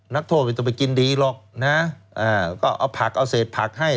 นักโทษไม่ต้องไปกินดีหรอกนะก็เอาผักเอาเศษผักให้